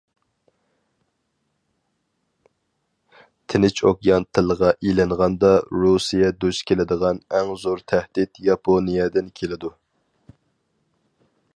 تىنچ ئوكيان تىلغا ئېلىنغاندا، رۇسىيە دۇچ كېلىدىغان ئەڭ زور تەھدىت ياپونىيەدىن كېلىدۇ.